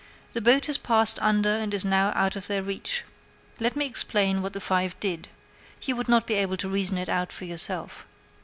The boat has passed under and is now out of their reach. Let me explain what the five did you would not be able to reason it out for yourself.